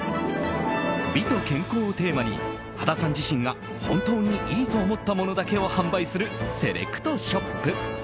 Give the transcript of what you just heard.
美と健康をテーマに羽田さん自身が本当にいいと思ったものだけを販売する、セレクトショップ。